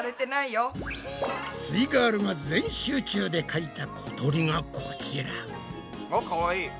イガールが全集中でかいた小鳥がこちら！あっかわいい。